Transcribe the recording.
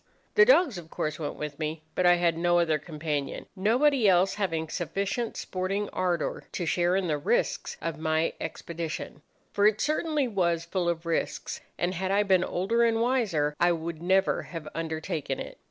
The dogs, of course, went with me, but I had no other companion, nobody else having sufficient sporting ardour to share in the risks of my expedition; for it certainly was full of risks, and had I been older and wiser I would never have undertaken it.